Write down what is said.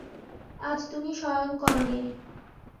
আজ তুমি শয়ন করোগে।